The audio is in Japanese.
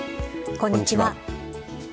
こんにちは。